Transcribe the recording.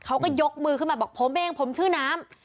เขาก็ยกมือขึ้นมาบอกผมเองผมชื่อน้ำ